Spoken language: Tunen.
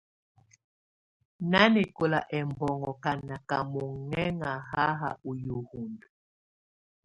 Nanɛkɔla ɛmbɔnŋɔ ka naka monŋɛŋa hahs ɔ yəhundə.